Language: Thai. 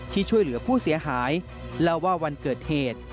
ช่วยเหลือผู้เสียหายเล่าว่าวันเกิดเหตุ